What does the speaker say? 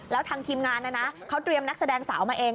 แล้วทางทีมงานนะนะเขาเตรียมนักแสดงสาวมาเอง